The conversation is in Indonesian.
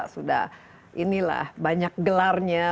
sudah inilah banyak gelarnya